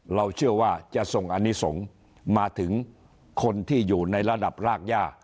เราเชื่อว่าจะส่งอนิสงฆ์มาถึงคนที่อยู่ในระดับรากย่า